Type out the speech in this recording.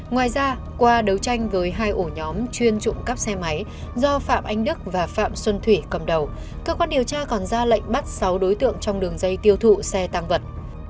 ngoài ra qua đấu tranh với hai ổ nhóm chuyên trộm cắp xe máy do phạm anh đức và phạm xuân thủy cầm đầu cơ quan điều tra còn ra lệnh bắt sáu đối tượng trong đường dây tiêu thụ xe tăng vật